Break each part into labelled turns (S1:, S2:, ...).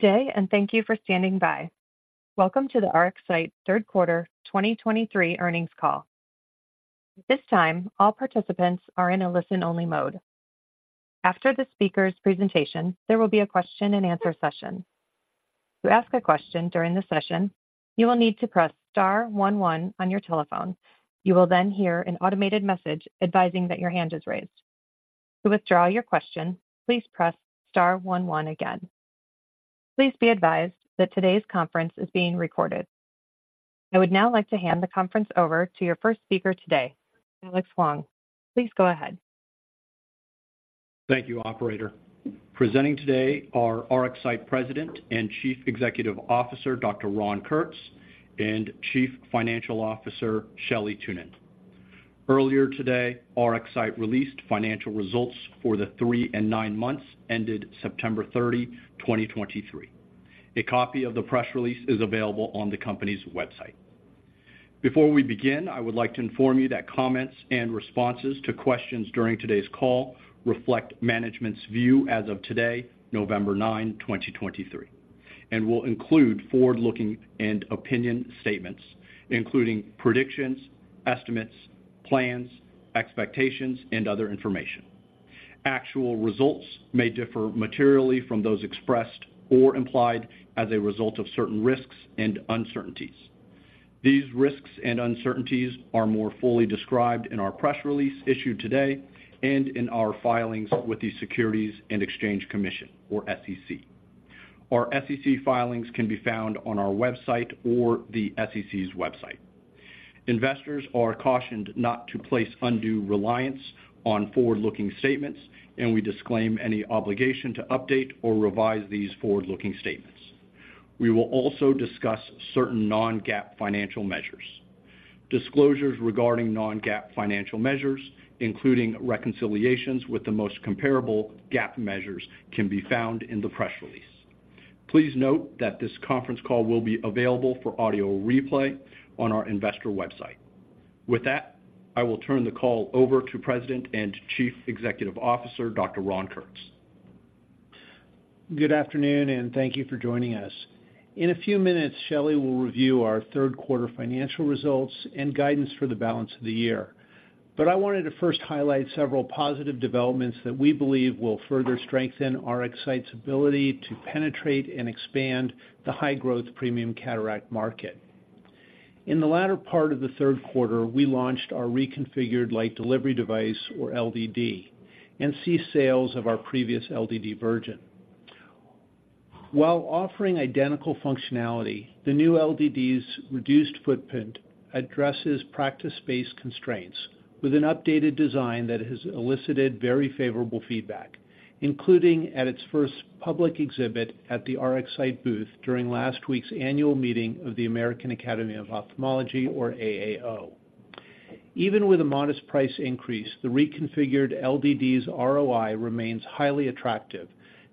S1: Today, and thank you for standing by. Welcome to the RxSight Third Quarter 2023 Earnings Call. At this time, all participants are in a listen-only mode. After the speaker's presentation, there will be a question-and-answer session. To ask a question during the session, you will need to press star one one on your telephone. You will then hear an automated message advising that your hand is raised. To withdraw your question, please press star one one again. Please be advised that today's conference is being recorded. I would now like to hand the conference over to your first speaker today, Alex Huang. Please go ahead.
S2: Thank you, operator. Presenting today are RxSight President and Chief Executive Officer, Dr. Ron Kurtz, and Chief Financial Officer, Shelley Thunen. Earlier today, RxSight released financial results for the three and nine months ended September 30, 2023. A copy of the press release is available on the company's website. Before we begin, I would like to inform you that comments and responses to questions during today's call reflect management's view as of today, November 9, 2023, and will include forward-looking and opinion statements, including predictions, estimates, plans, expectations, and other information. Actual results may differ materially from those expressed or implied as a result of certain risks and uncertainties. These risks and uncertainties are more fully described in our press release issued today and in our filings with the Securities and Exchange Commission, or SEC. Our SEC filings can be found on our website or the SEC's website. Investors are cautioned not to place undue reliance on forward-looking statements, and we disclaim any obligation to update or revise these forward-looking statements. We will also discuss certain non-GAAP financial measures. Disclosures regarding non-GAAP financial measures, including reconciliations with the most comparable GAAP measures, can be found in the press release. Please note that this conference call will be available for audio replay on our investor website. With that, I will turn the call over to President and Chief Executive Officer, Dr. Ron Kurtz.
S3: Good afternoon, and thank you for joining us. In a few minutes, Shelley will review our Third Quarter Financial Results and Guidance for the balance of the year. But I wanted to first highlight several positive developments that we believe will further strengthen RxSight's ability to penetrate and expand the high-growth premium cataract market. In the latter part of the third quarter, we launched our reconfigured light delivery device, or LDD, and ceased sales of our previous LDD version. While offering identical functionality, the new LDD's reduced footprint addresses practice-based constraints with an updated design that has elicited very favorable feedback, including at its first public exhibit at the RxSight booth during last week's annual meeting of the American Academy of Ophthalmology, or AAO. Even with a modest price increase, the reconfigured LDD's ROI remains highly attractive,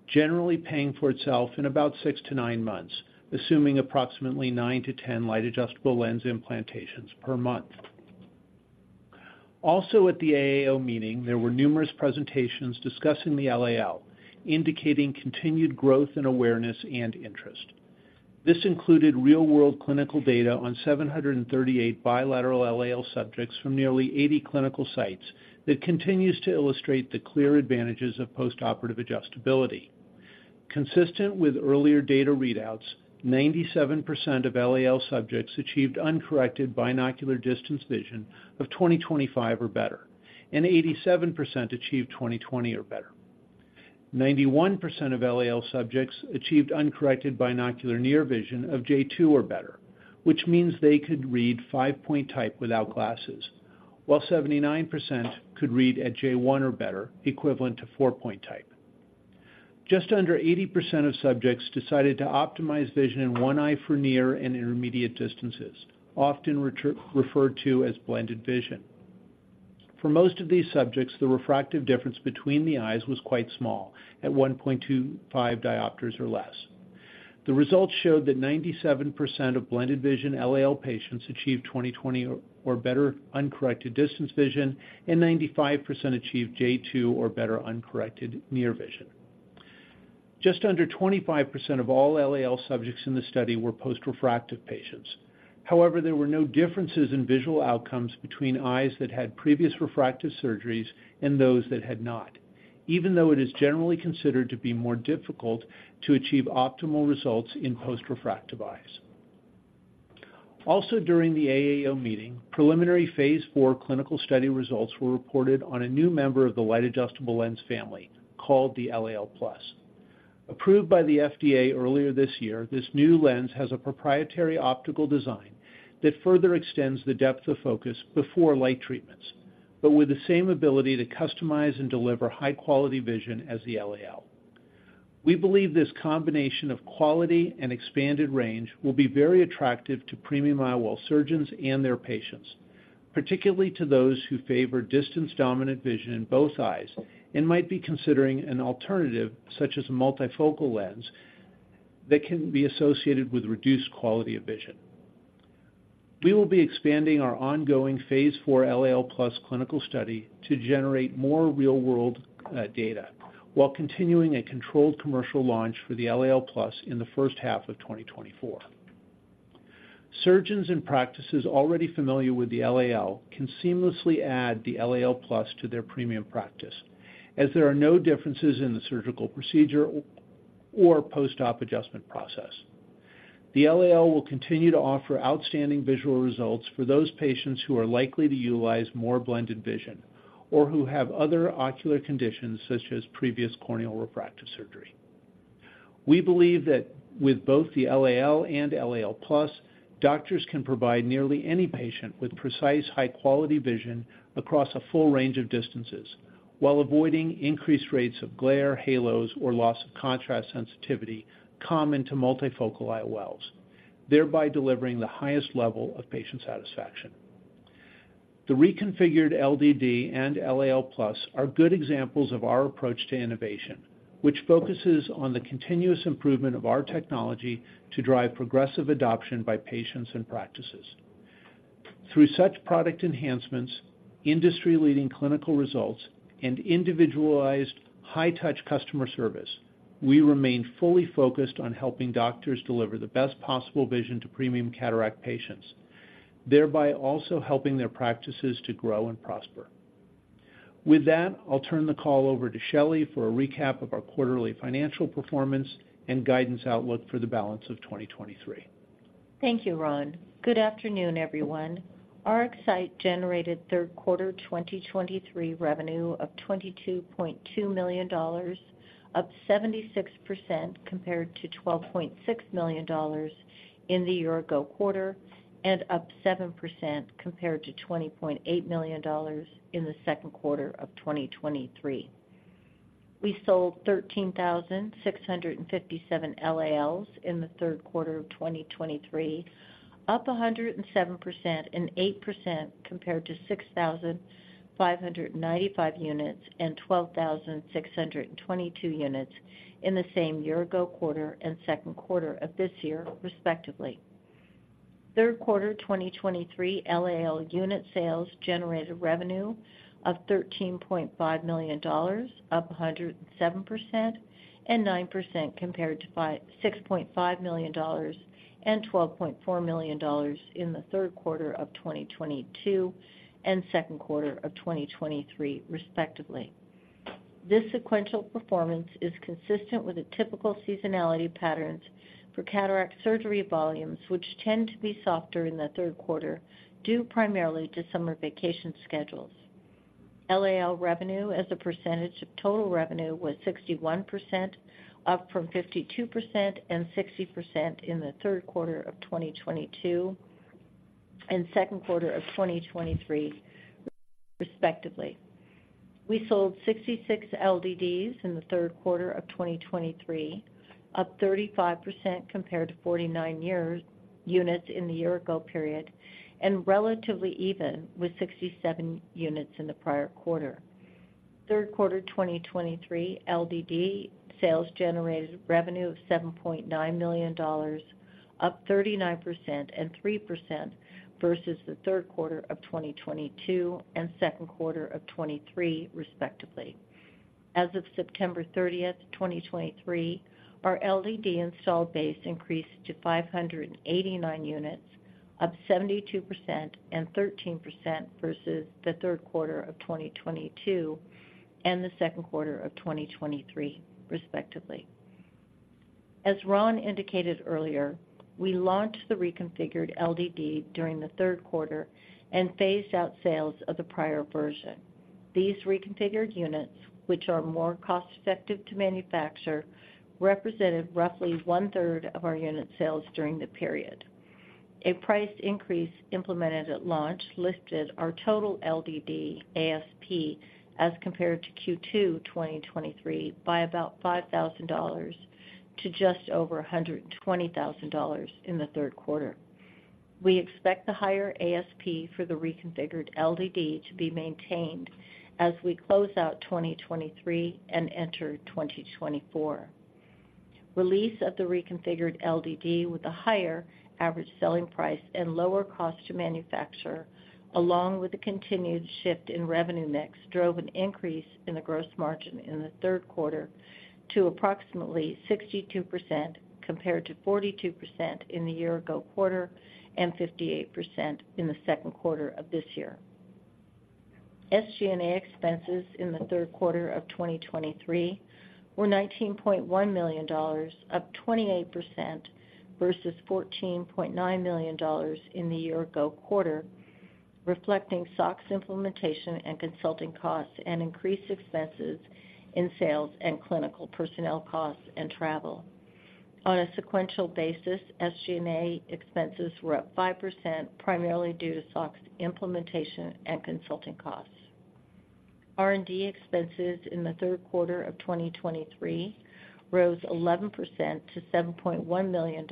S3: generally paying for itself in about 6-9 months, assuming approximately 9-10 Light Adjustable Lens implantations per month. Also, at the AAO meeting, there were numerous presentations discussing the LAL, indicating continued growth in awareness and interest. This included real-world clinical data on 738 bilateral LAL subjects from nearly 80 clinical sites that continues to illustrate the clear advantages of postoperative adjustability. Consistent with earlier data readouts, 97% of LAL subjects achieved uncorrected binocular distance vision of 20/25 or better, and 87% achieved 20/20 or better. 91% of LAL subjects achieved uncorrected binocular near vision of J2 or better, which means they could read 5-point type without glasses, while 79% could read at J1 or better, equivalent to 4-point type. Just under 80% of subjects decided to optimize vision in one eye for near and intermediate distances, often referred to as blended vision. For most of these subjects, the refractive difference between the eyes was quite small, at 1.25 diopters or less. The results showed that 97% of blended vision LAL patients achieved 20/20 or better uncorrected distance vision, and 95% achieved J2 or better uncorrected near vision. Just under 25% of all LAL subjects in the study were post-refractive patients. However, there were no differences in visual outcomes between eyes that had previous refractive surgeries and those that had not, even though it is generally considered to be more difficult to achieve optimal results in post-refractive eyes. Also, during the AAO meeting, preliminary Phase IV clinical study results were reported on a new member of the Light Adjustable Lens family, called the LAL+. Approved by the FDA earlier this year, this new lens has a proprietary optical design that further extends the depth of focus before light treatments, but with the same ability to customize and deliver high-quality vision as the LAL. We believe this combination of quality and expanded range will be very attractive to premium IOL surgeons and their patients, particularly to those who favor distance-dominant vision in both eyes and might be considering an alternative, such as a multifocal lens, that can be associated with reduced quality of vision. We will be expanding our ongoing Phase IV LAL+ clinical study to generate more real-world data, while continuing a controlled commercial launch for the LAL+ in the first half of 2024. Surgeons and practices already familiar with the LAL can seamlessly add the LAL+ to their premium practice, as there are no differences in the surgical procedure or post-op adjustment process. The LAL will continue to offer outstanding visual results for those patients who are likely to utilize more blended vision or who have other ocular conditions, such as previous corneal refractive surgery. We believe that with both the LAL and LAL+, doctors can provide nearly any patient with precise, high-quality vision across a full range of distances, while avoiding increased rates of glare, halos, or loss of contrast sensitivity common to multifocal IOLs, thereby delivering the highest level of patient satisfaction. The reconfigured LDD and LAL+ are good examples of our approach to innovation, which focuses on the continuous improvement of our technology to drive progressive adoption by patients and practices. Through such product enhancements, industry-leading clinical results, and individualized high-touch customer service, we remain fully focused on helping doctors deliver the best possible vision to premium cataract patients, thereby also helping their practices to grow and prosper. With that, I'll turn the call over to Shelley for a recap of our quarterly financial performance and guidance outlook for the balance of 2023.
S4: Thank you, Ron. Good afternoon, everyone. RxSight generated third quarter 2023 revenue of $22.2 million, up 76% compared to $12.6 million in the year-ago quarter and up 7% compared to $20.8 million in the second quarter of 2023. We sold 13,657 LALs in the third quarter of 2023, up 107% and 8% compared to 6,595 units and 12,622 units in the same year-ago quarter and second quarter of this year, respectively. Third quarter 2023 LAL unit sales generated revenue of $13.5 million, up 107% and 9% compared to $6.5 million and $12.4 million in the third quarter of 2022 and second quarter of 2023, respectively. This sequential performance is consistent with the typical seasonality patterns for cataract surgery volumes, which tend to be softer in the third quarter due primarily to summer vacation schedules. LAL revenue as a percentage of total revenue was 61%, up from 52% and 60% in the third quarter of 2022 and second quarter of 2023, respectively. We sold 66 LDDs in the third quarter of 2023, up 35% compared to 49 units in the year-ago period, and relatively even with 67 units in the prior quarter. Third quarter 2023 LDD sales generated revenue of $7.9 million, up 39% and 3% versus the third quarter of 2022 and second quarter of 2023, respectively. As of September 30, 2023, our LDD installed base increased to 589 units, up 72% and 13% versus the third quarter of 2022 and the second quarter of 2023, respectively. As Ron indicated earlier, we launched the reconfigured LDD during the third quarter and phased out sales of the prior version. These reconfigured units, which are more cost-effective to manufacture, represented roughly one-third of our unit sales during the period. A price increase implemented at launch lifted our total LDD ASP as compared to Q2 2023 by about $5,000 to just over $120,000 in the third quarter. We expect the higher ASP for the reconfigured LDD to be maintained as we close out 2023 and enter 2024. Release of the reconfigured LDD with a higher average selling price and lower cost to manufacture, along with a continued shift in revenue mix, drove an increase in the gross margin in the third quarter to approximately 62%, compared to 42% in the year-ago quarter and 58% in the second quarter of this year. SG&A expenses in the third quarter of 2023 were $19.1 million, up 28% versus $14.9 million in the year-ago quarter, reflecting SOX implementation and consulting costs and increased expenses in sales and clinical personnel costs and travel. On a sequential basis, SG&A expenses were up 5%, primarily due to SOX implementation and consulting costs. R&D expenses in the third quarter of 2023 rose 11% to $7.1 million,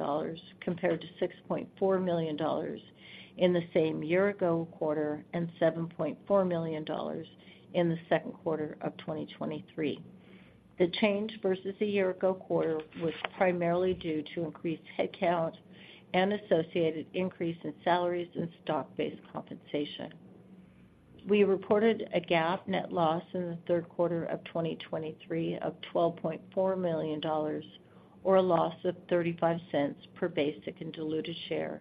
S4: compared to $6.4 million in the same year-ago quarter, and $7.4 million in the second quarter of 2023. The change versus a year ago quarter was primarily due to increased headcount and associated increase in salaries and stock-based compensation. We reported a GAAP net loss in the third quarter of 2023 of $12.4 million, or a loss of $0.35 per basic and diluted share,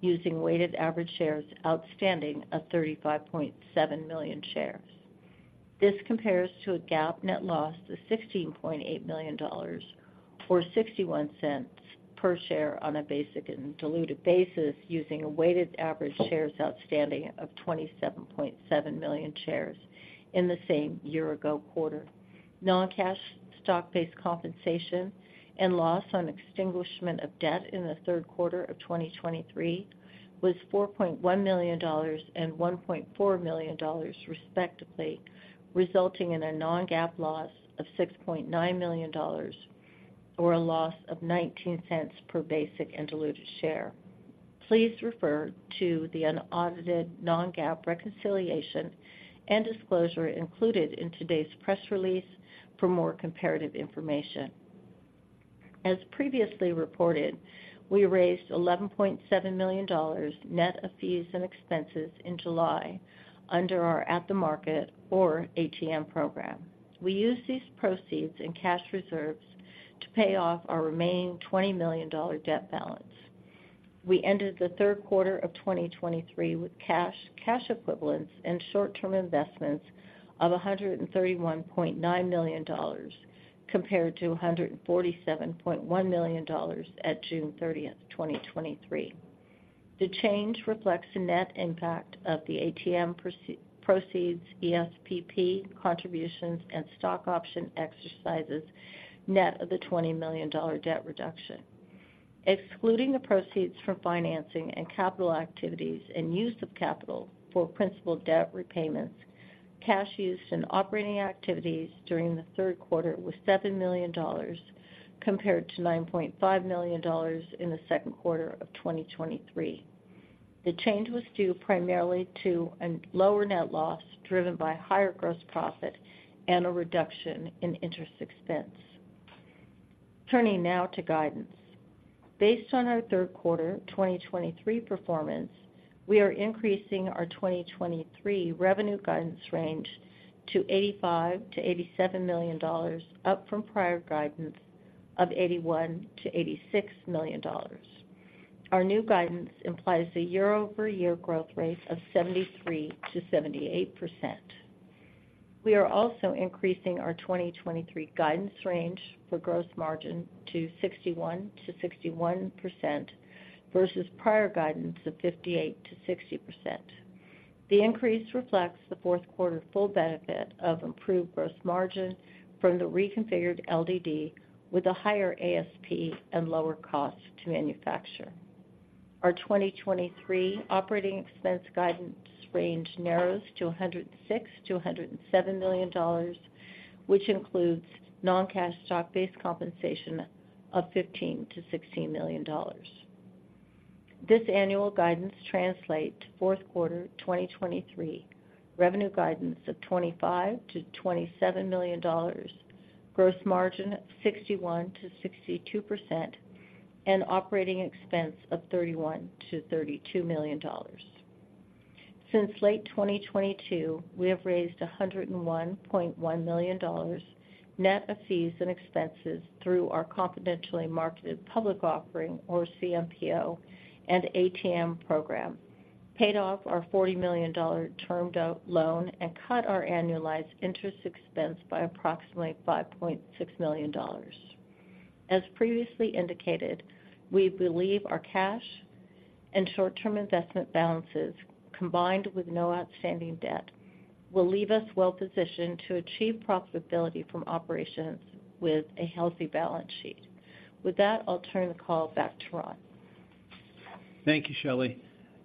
S4: using weighted average shares outstanding of 35.7 million shares. This compares to a GAAP net loss of $16.8 million, or $0.61 per share on a basic and diluted basis, using a weighted average shares outstanding of 27.7 million shares in the same year-ago quarter. Non-cash stock-based compensation and loss on extinguishment of debt in the third quarter of 2023 was $4.1 million and $1.4 million, respectively, resulting in a non-GAAP loss of $6.9 million, or a loss of $0.19 per basic and diluted share. Please refer to the unaudited non-GAAP reconciliation and disclosure included in today's press release for more comparative information. As previously reported, we raised $11.7 million net of fees and expenses in July under our at-the-market, or ATM program. We used these proceeds and cash reserves to pay off our remaining $20 million debt balance. We ended the third quarter of 2023 with cash, cash equivalents, and short-term investments of $131.9 million, compared to $147.1 million at June 30th, 2023. The change reflects the net impact of the ATM proceeds, ESPP contributions, and stock option exercises, net of the $20 million debt reduction. Excluding the proceeds from financing and capital activities and use of capital for principal debt repayments, cash used in operating activities during the third quarter was $7 million, compared to $9.5 million in the second quarter of 2023. The change was due primarily to a lower net loss, driven by higher gross profit and a reduction in interest expense. Turning now to guidance. Based on our third quarter 2023 performance, we are increasing our 2023 revenue guidance range to $85 million to $87 million, up from prior guidance of $81 million to $86 million. Our new guidance implies a year-over-year growth rate of 73%-78%. We are also increasing our 2023 guidance range for gross margin to 61%-61% versus prior guidance of 58%-60%. The increase reflects the fourth quarter full benefit of improved gross margin from the reconfigured LDD, with a higher ASP and lower cost to manufacture. Our 2023 operating expense guidance range narrows to $106 millionto $107 million, which includes non-cash stock-based compensation of $15 million to $16 million. This annual guidance translate to fourth quarter 2023 revenue guidance of $25 million to $27 million, gross margin 61%-62%, and operating expense of $31 million to $32 million. Since late 2022, we have raised $101.1 million net of fees and expenses through our confidentially marketed public offering, or CMPO, and ATM program, paid off our $40 million term-out loan, and cut our annualized interest expense by approximately $5.6 million. As previously indicated, we believe our cash and short-term investment balances, combined with no outstanding debt, will leave us well-positioned to achieve profitability from operations with a healthy balance sheet. With that, I'll turn the call back to Ron.
S3: Thank you, Shelley.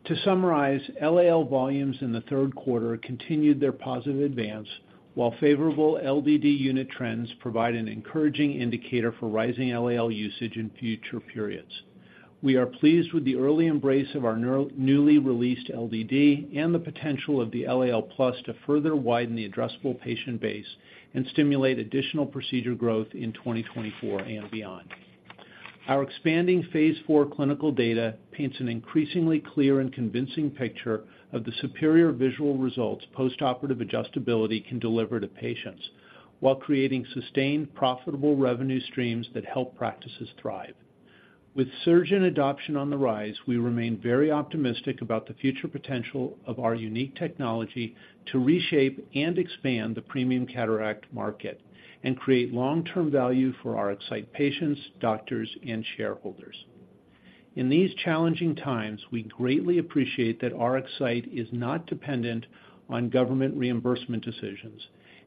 S3: To summarize, LAL volumes in the third quarter continued their positive advance, while favorable LDD unit trends provide an encouraging indicator for rising LAL usage in future periods. We are pleased with the early embrace of our newly released LDD and the potential of the LAL+ to further widen the addressable patient base and stimulate additional procedure growth in 2024 and beyond. Our expanding phase IV clinical data paints an increasingly clear and convincing picture of the superior visual results postoperative adjustability can deliver to patients, while creating sustained, profitable revenue streams that help practices thrive. With surgeon adoption on the rise, we remain very optimistic about the future potential of our unique technology to reshape and expand the premium cataract market and create long-term value for our RxSight patients, doctors, and shareholders. In these challenging times, we greatly appreciate that RxSight is not dependent on government reimbursement decisions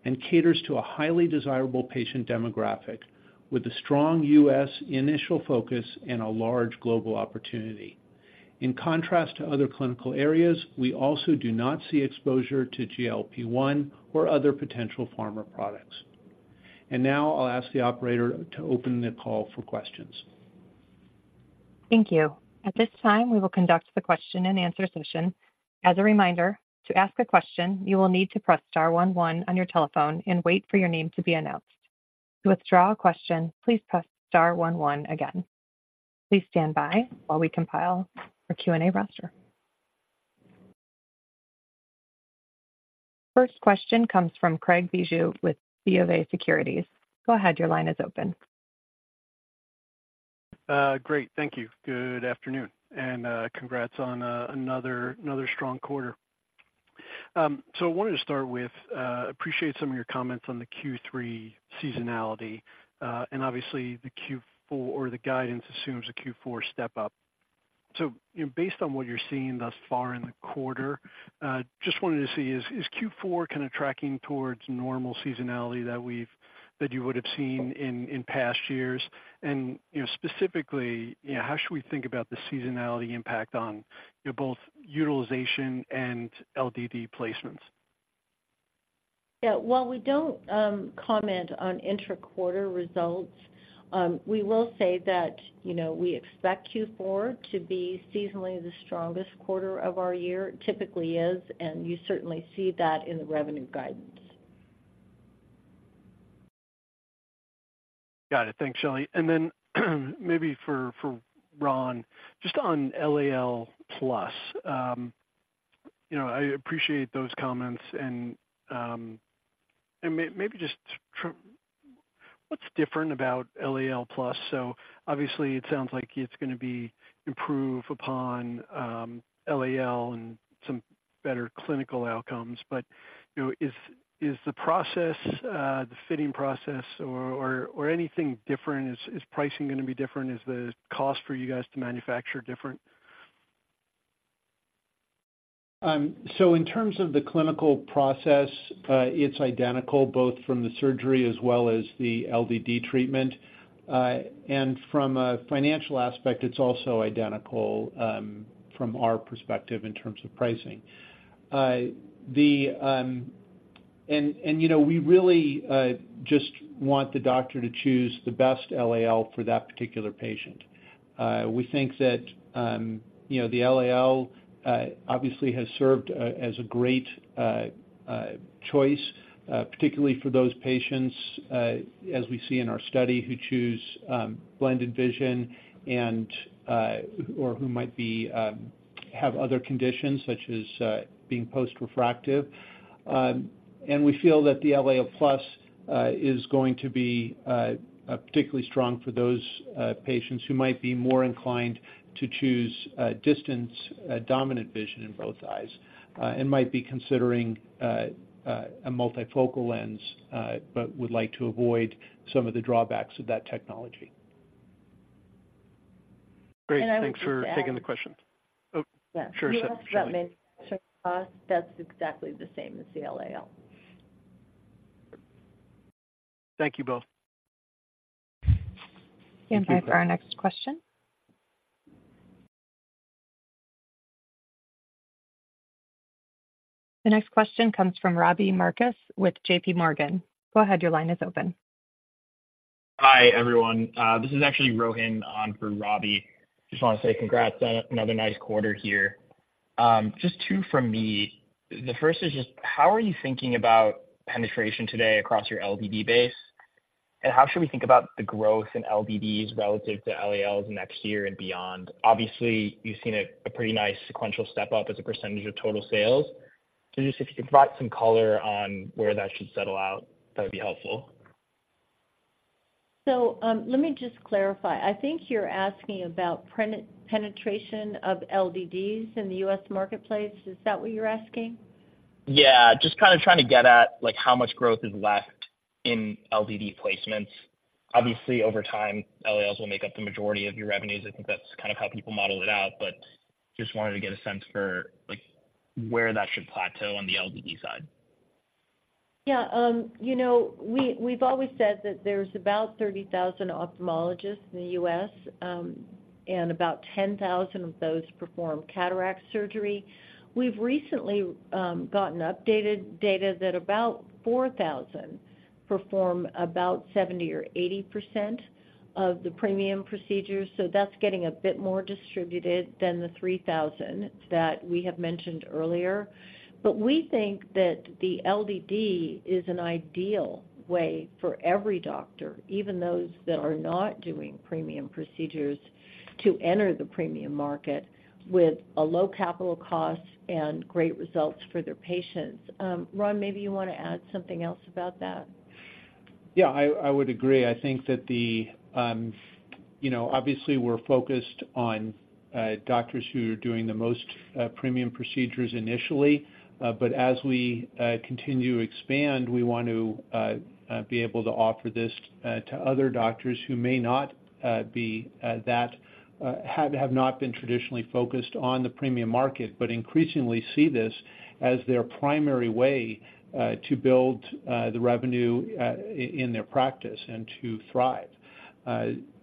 S3: and caters to a highly desirable patient demographic with a strong U.S. initial focus and a large global opportunity. In contrast to other clinical areas, we also do not see exposure to GLP-1 or other potential pharma products. And now I'll ask the operator to open the call for questions.
S1: Thank you. At this time, we will conduct the question-and-answer session. As a reminder, to ask a question, you will need to press star one one on your telephone and wait for your name to be announced. To withdraw a question, please press star one one again. Please stand by while we compile our Q&A roster. First question comes from Craig Bijou with BofA Securities. Go ahead, your line is open.
S5: Great, thank you. Good afternoon, and congrats on another strong quarter. So I wanted to start with appreciate some of your comments on the Q3 seasonality, and obviously the Q4 or the guidance assumes a Q4 step up. So, you know, based on what you're seeing thus far in the quarter, just wanted to see is Q4 kind of tracking towards normal seasonality that you would have seen in past years? And, you know, specifically, you know, how should we think about the seasonality impact on both utilization and LDD placements?
S4: Yeah, while we don't comment on intra-quarter results, we will say that, you know, we expect Q4 to be seasonally the strongest quarter of our year. It typically is, and you certainly see that in the revenue guidance.
S5: Got it. Thanks, Shelley. And then, maybe for Ron, just on LAL+. You know, I appreciate those comments and what's different about LAL+? So obviously, it sounds like it's gonna improve upon LAL and some better clinical outcomes. But, you know, is the process, the fitting process or anything different? Is pricing gonna be different? Is the cost for you guys to manufacture different?
S3: So in terms of the clinical process, it's identical both from the surgery as well as the LDD treatment. And from a financial aspect, it's also identical from our perspective in terms of pricing. You know, we really just want the doctor to choose the best LAL for that particular patient. We think that, you know, the LAL obviously has served as a great choice, particularly for those patients, as we see in our study, who choose Blended Vision and or who might have other conditions, such as being Post-Refractive. We feel that the LAL+ is going to be particularly strong for those patients who might be more inclined to choose distance dominant vision in both eyes and might be considering a multifocal lens but would like to avoid some of the drawbacks of that technology.
S5: Great.
S4: I would just add that's exactly the same as the LAL.
S5: Thank you both.
S1: Stand by for our next question. The next question comes from Robbie Marcus with JPMorgan. Go ahead, your line is open.
S6: Hi, everyone. This is actually Rohin on for Robbie. Just want to say congrats on another nice quarter here. Just two from me. The first is just: How are you thinking about penetration today across your LDD base? And how should we think about the growth in LDDs relative to LALs next year and beyond? Obviously, you've seen a pretty nice sequential step up as a percentage of total sales. So just if you can provide some color on where that should settle out, that would be helpful.
S4: So, let me just clarify. I think you're asking about penetration of LDDs in the U.S. marketplace. Is that what you're asking?
S6: Just kind of trying to get at how much growth is left in LDD placements. Obviously, over time, LALs will make up the majority of your revenues. I think that's kind of how people model it out, but just wanted to get a sense for, like, where that should plateau on the LDD side.
S4: We've always said that there's about 30,000 ophthalmologists in the U.S., and about 10,000 of those perform cataract surgery. We've recently gotten updated data that about 4,000 perform about 70% or 80% of the premium procedures, so that's getting a bit more distributed than the 3,000 that we have mentioned earlier. But we think that the LDD is an ideal way for every doctor, even those that are not doing premium procedures, to enter the premium market with a low capital cost and great results for their patients. Ron, maybe you want to add something else about that?
S3: Yeah, I would agree. I think that the, you know, obviously we're focused on doctors who are doing the most premium procedures initially. But as we continue to expand, we want to be able to offer this to other doctors who may not be that... have not been traditionally focused on the premium market, but increasingly see this as their primary way to build the revenue in their practice and to thrive.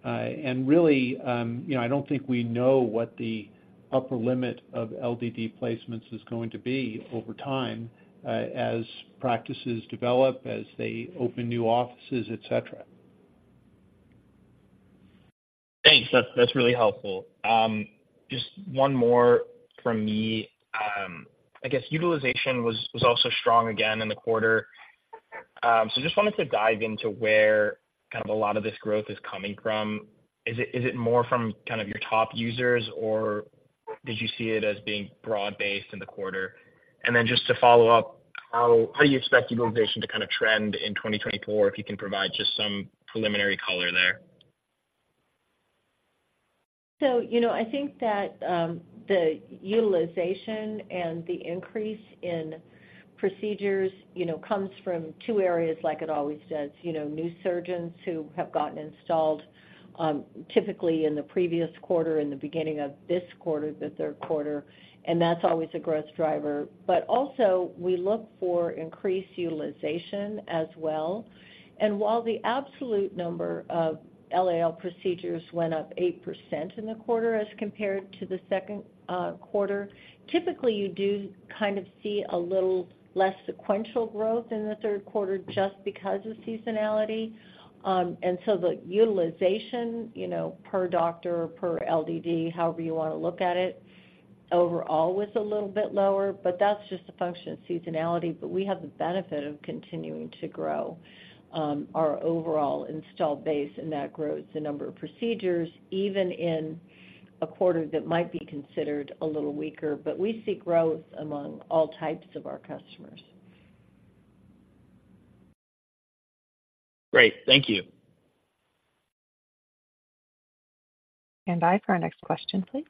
S3: And really, you know, I don't think we know what the upper limit of LDD placements is going to be over time as practices develop, as they open new offices, et cetera.
S6: Thanks. That's, that's really helpful. Just one more from me. I guess utilization was also strong again in the quarter. So just wanted to dive into where kind of a lot of this growth is coming from. Is it more from kind of your top users, or did you see it as being broad-based in the quarter? And then just to follow up, how do you expect utilization to kind of trend in 2024, if you can provide just some preliminary color there?
S4: So, you know, I think that, the utilization and the increase in procedures, you know, comes from two areas, like it always does. You know, new surgeons who have gotten installed, typically in the previous quarter, in the beginning of this quarter, the third quarter, and that's always a growth driver. But also, we look for increased utilization as well. And while the absolute number of LAL procedures went up 8% in the quarter as compared to the second quarter, typically, you do kind of see a little less sequential growth in the third quarter just because of seasonality. And so the utilization, you know, per doctor, per LDD, however you want to look at it, overall was a little bit lower, but that's just a function of seasonality. But we have the benefit of continuing to grow our overall installed base, and that grows the number of procedures, even in a quarter that might be considered a little weaker. But we see growth among all types of our customers.
S6: Great. Thank you.
S1: Stand by for our next question, please.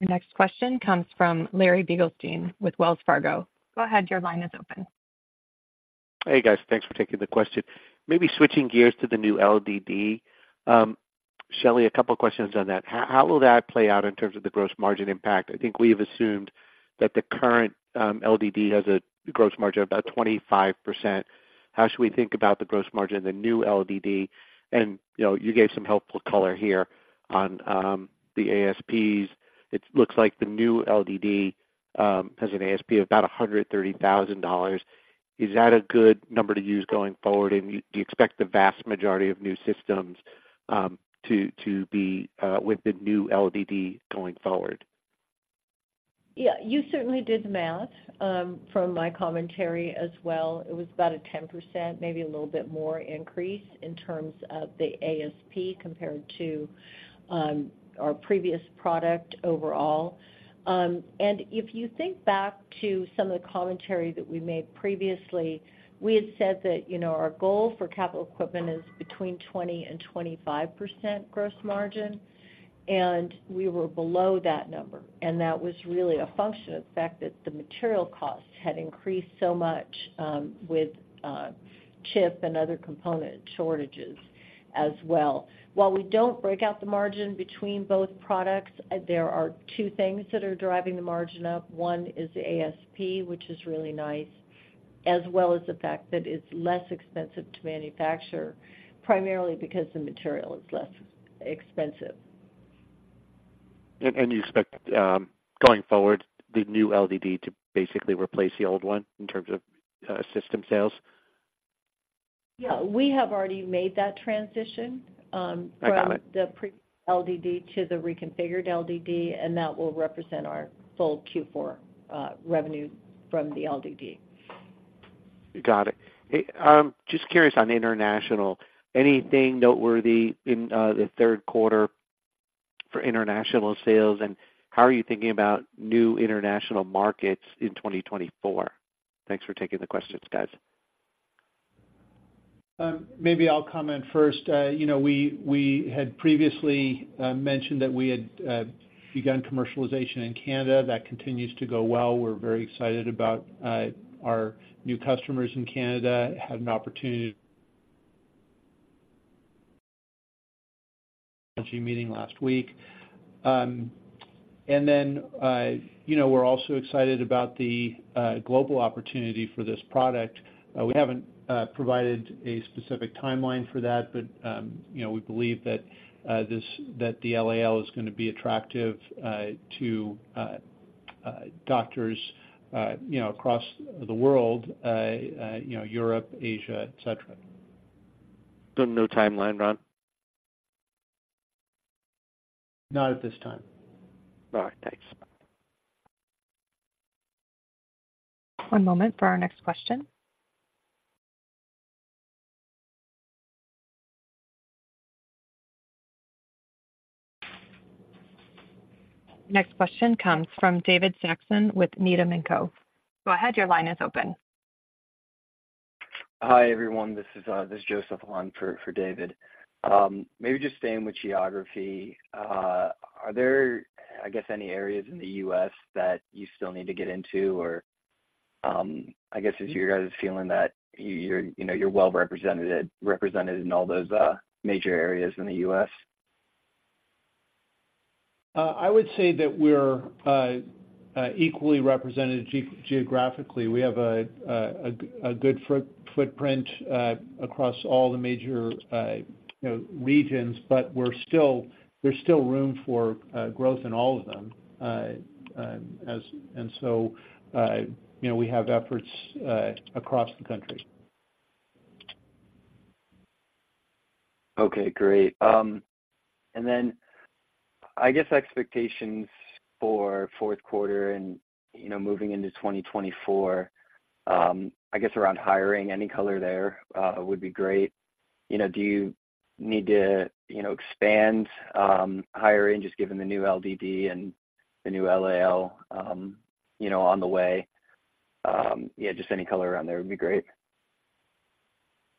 S1: Your next question comes from Larry Biegelsen with Wells Fargo. Go ahead, your line is open.
S7: Hey, guys. Thanks for taking the question. Maybe switching gears to the new LDD. Shelley, a couple of questions on that. How will that play out in terms of the gross margin impact? I think we have assumed that the current LDD has a gross margin of about 25%. How should we think about the gross margin of the new LDD? And, you know, you gave some helpful color here on the ASPs. It looks like the new LDD has an ASP of about $130,000. Is that a good number to use going forward, and do you expect the vast majority of new systems to be with the new LDD going forward?
S4: Yeah, you certainly did the math from my commentary as well. It was about a 10%, maybe a little bit more increase in terms of the ASP compared to our previous product overall. And if you think back to some of the commentary that we made previously, we had said that, you know, our goal for capital equipment is between 20%-25% gross margin, and we were below that number. And that was really a function of the fact that the material costs had increased so much with chip and other component shortages as well. While we don't break out the margin between both products, there are two things that are driving the margin up. One is the ASP, which is really nice, as well as the fact that it's less expensive to manufacture, primarily because the material is less expensive.
S7: You expect, going forward, the new LDD to basically replace the old one in terms of system sales?
S4: Yeah, we have already made that transition.
S7: I got it.
S4: From the pre-LDD to the reconfigured LDD, and that will represent our full Q4 revenue from the LDD.
S7: Got it. Hey, just curious on international. Anything noteworthy in the third quarter for international sales, and how are you thinking about new international markets in 2024? Thanks for taking the questions, guys.
S3: Maybe I'll comment first. You know, we had previously mentioned that we had begun commercialization in Canada. That continues to go well. We're very excited about our new customers in Canada. Had an opportunity meeting last week. And then, you know, we're also excited about the global opportunity for this product. We haven't provided a specific timeline for that, but we believe that the LAL is going to be attractive to doctors, you know, across the world, you know, Europe, Asia, et cetera.
S7: No timeline, Ron?
S3: Not at this time.
S7: All right. Thanks.
S1: One moment for our next question. Next question comes from David Saxon with Needham & Co. Go ahead, your line is open.
S8: Hi, everyone. This is, this is Joseph on for David. Maybe just staying with geography, are there any areas in the U.S. that you still need to get into? Or are you guys feeling that you're well represented, represented in all those, major areas in the U.S.?
S3: I would say that we're equally represented geographically. We have a good footprint across all the major, you know, regions, but we're still— there's still room for growth in all of them. And so we have efforts across the country.
S8: Okay, great. And then I guess expectations for fourth quarter and moving into 2024, I guess around hiring, any color there, would be great. You know, do you need to, you know, expand, hiring, just given the new LDD and the new LAL on the way? Just any color around there would be great.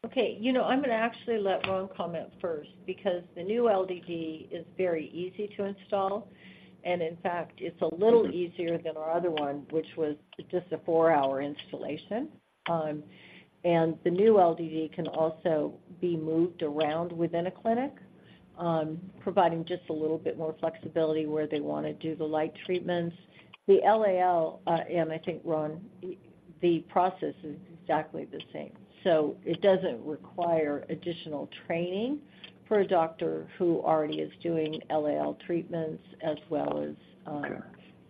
S4: Okay. I'm going to actually let Ron comment first, because the new LDD is very easy to install, and in fact, it's a little easier than our other one, which was just a 4-hour installation. And the new LDD can also be moved around within a clinic, providing just a little bit more flexibility where they want to do the light treatments. The LAL, and I think, Ron, the process is exactly the same, so it doesn't require additional training for a doctor who already is doing LAL treatments as well as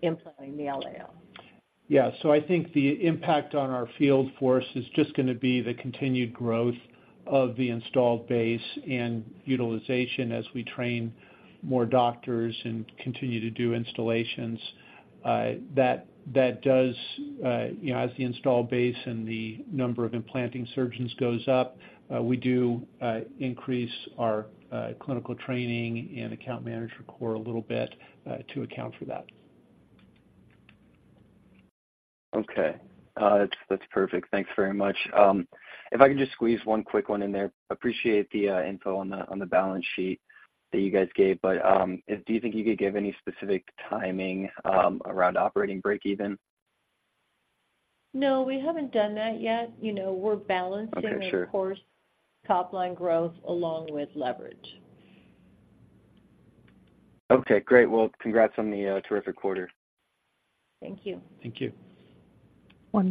S4: implanting the LAL.
S3: Yeah. So I think the impact on our field force is just going to be the continued growth of the installed base and utilization as we train more doctors and continue to do installations. That, that does, you know, as the installed base and the number of implanting surgeons goes up, we do increase our clinical training and account manager core a little bit to account for that.
S8: Okay, that's perfect. Thanks very much. If I could just squeeze one quick one in there. Appreciate the info on the balance sheet that you guys gave, but do you think you could give any specific timing around operating break-even?
S4: No, we haven't done that yet. You know, we're balancing the robust top line growth along with leverage.
S8: Okay, great. Well, congrats on the terrific quarter.
S4: Thank you.
S3: Thank you.
S1: One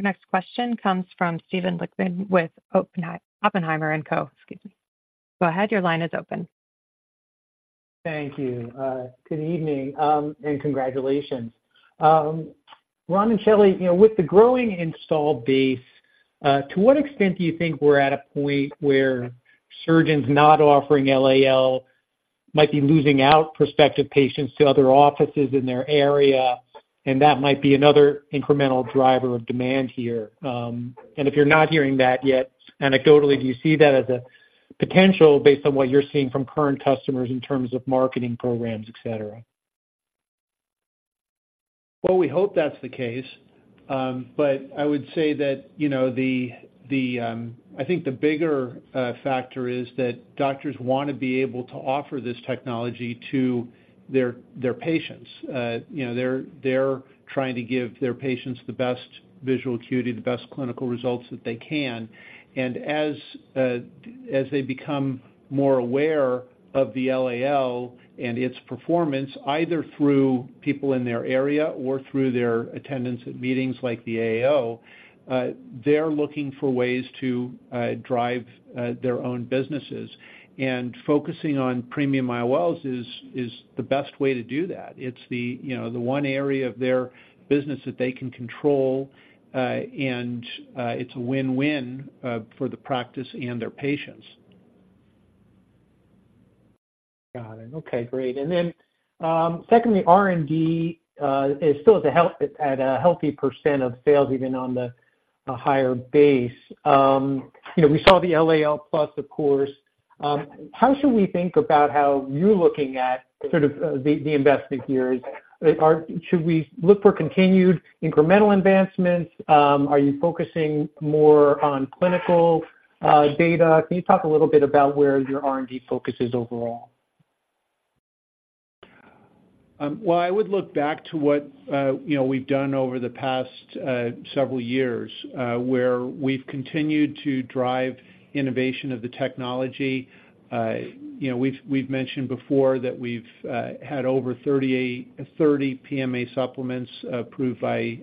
S1: moment for our next question. Next question comes from Steven Lichtman with Oppenheimer and Co. Excuse me. Go ahead, your line is open.
S9: Thank you. Good evening, and congratulations. Ron and Shelley, you know, with the growing installed base, to what extent do you think we're at a point where surgeons not offering LAL might be losing out prospective patients to other offices in their area, and that might be another incremental driver of demand here? And if you're not hearing that yet, anecdotally, do you see that as a potential based on what you're seeing from current customers in terms of marketing programs, et cetera?
S3: Well, we hope that's the case. But I would say that, you know, the bigger factor is that doctors want to be able to offer this technology to their patients. You know, they're trying to give their patients the best visual acuity, the best clinical results that they can. And as they become more aware of the LAL and its performance, either through people in their area or through their attendance at meetings like the AAO, they're looking for ways to drive their own businesses. And focusing on premium IOLs is the best way to do that. It's the, you know, one area of their business that they can control, and it's a win-win for the practice and their patients.
S9: Got it. Okay, great. And then, secondly, R&D is still at a healthy % of sales, even on a higher base. We saw the LAL+, of course. How should we think about how you're looking at sort of the investment here? Should we look for continued incremental advancements? Are you focusing more on clinical data? Can you talk a little bit about where your R&D focus is overall?
S3: Well, I would look back to what, you know, we've done over the past, several years, where we've continued to drive innovation of the technology. You know, we've mentioned before that we've had over 38, 30 PMA supplements approved by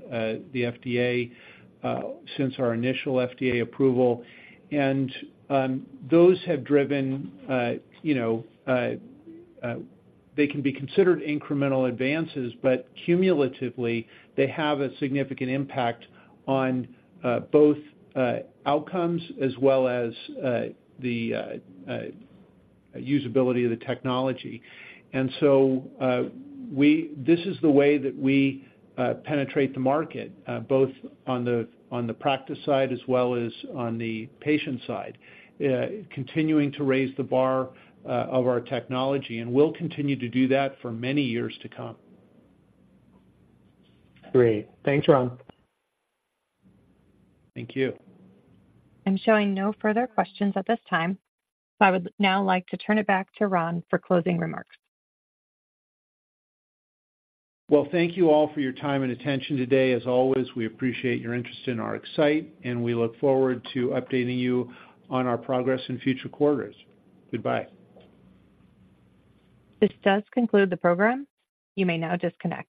S3: the FDA, since our initial FDA approval. And those have driven, you know, they can be considered incremental advances, but cumulatively, they have a significant impact on both outcomes as well as the usability of the technology. And so, this is the way that we penetrate the market, both on the, on the practice side as well as on the patient side, continuing to raise the bar of our technology, and we'll continue to do that for many years to come.
S9: Great. Thanks, Ron.
S3: Thank you.
S1: I'm showing no further questions at this time, so I would now like to turn it back to Ron for closing remarks.
S3: Well, thank you all for your time and attention today. As always, we appreciate your interest in our RxSight, and we look forward to updating you on our progress in future quarters. Goodbye.
S1: This does conclude the program. You may now disconnect.